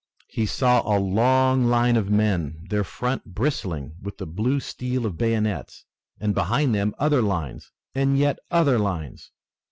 He saw a long line of men, their front bristling with the blue steel of bayonets, and behind them other lines and yet other lines.